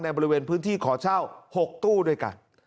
บริเวณพื้นที่ขอเช่า๖ตู้ด้วยกัน